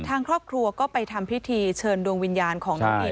ทางครอบครัวก็ไปทำพิธีเชิญดวงวิญญาณของน้องเอ